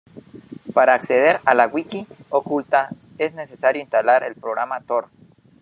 Para acceder a La Wiki Oculta es necesario instalar el programa Tor.